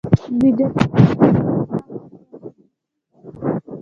د جګړې اصلي هدف هغه وخت څرګندېږي.